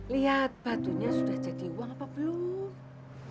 lihat batunya sudah jadi uang apa belum